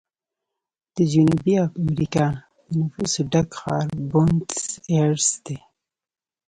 د جنوبي امریکا د نفوسو ډک ښار بونس ایرس دی.